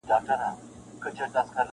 په وینه کي مي نغښتی یو ماښام دی بل سهار دی,